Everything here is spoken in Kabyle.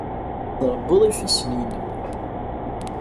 Tellid trebbud ifassen-nnem.